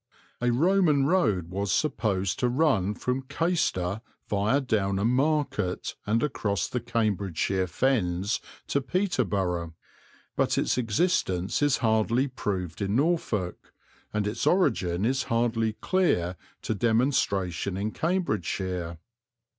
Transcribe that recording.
A Roman road was supposed to run from Caistor viâ Downham Market, and across the Cambridgeshire Fens to Peterborough, but its existence is hardly proved in Norfolk, and its origin is hardly clear to demonstration in Cambridgeshire.